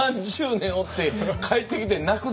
３０年おって帰ってきて泣くだけ。